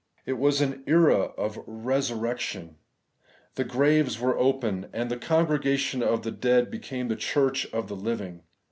It was an era of resurrection. The graves were opened; and the congregation of the dead became the church of the living.